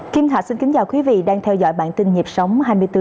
kim thạch xin kính chào quý vị đang theo dõi bản tin nhịp sống hai mươi bốn h